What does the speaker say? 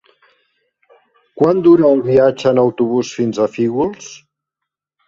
Quant dura el viatge en autobús fins a Fígols?